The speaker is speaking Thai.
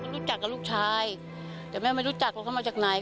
รู้จักกับลูกชายแต่แม่ไม่รู้จักว่าเขามาจากไหน